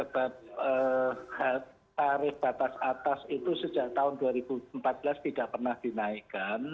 karena tarif batas atas itu sejak tahun dua ribu empat belas tidak pernah dinaikkan